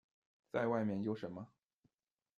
再外面有什么